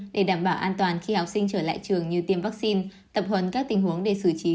để đảm bảo an toàn khi học sinh trở lại trường như tiêm vaccine tập huấn các tình huống để xử trí